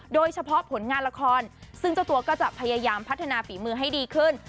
โดยเฉพาะผลงานละครซึ่งเจ้าตัวก็จะพยายามพัฒนาฝีมือให้ดีขึ้น